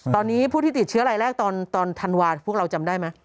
ตอนนี้ผู้ที่ติดเชื้อรายแรกตอนธันวาพวกเราจำได้ไหม